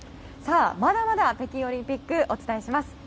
さあ、まだまだ北京オリンピックお伝えします。